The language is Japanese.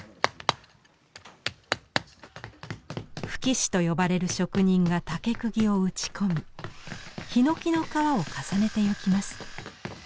「葺師」と呼ばれる職人が竹釘を打ち込みひのきの皮を重ねてゆきます。